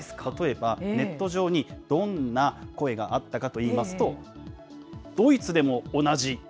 例えば、ネット上にどんな声があったかといいますと、ドイツでも同じ。